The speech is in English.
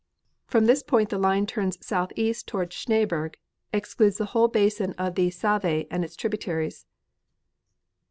From this point the line turns southeast towards the Schneeberg, excludes the whole basin of the Save and its tributaries.